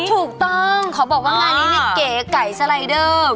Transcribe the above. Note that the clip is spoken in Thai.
ถูกต้องขอบอกว่างานนี้นี่เก๋ไก่สไลเดอร์